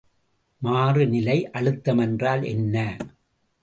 மாறுநிலை அழுத்தம் என்றால் என்ன?